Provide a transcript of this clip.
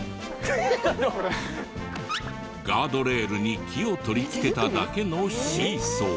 ガードレールに木を取り付けただけのシーソー。